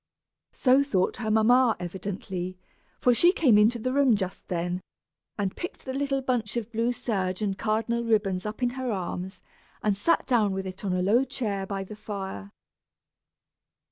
So thought her mamma, evidently, for she came into the room just then, and picked the little bunch of blue serge and cardinal ribbons up in her arms, and sat down with it in a low chair by the fire.